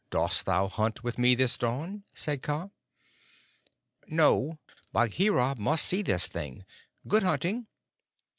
Dost thou hunt with me this dawn?" said Kaa. "No; Bagheera must see this thing. Good hunting!"